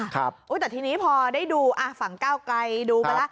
แต่ทีนี้พอได้ดูฝั่งก้าวไกลดูไปแล้ว